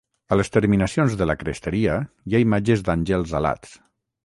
A les terminacions de la cresteria hi ha imatges d'àngels alats.